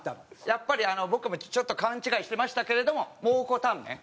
やっぱり僕もちょっと勘違いしてましたけれども蒙古タンメン。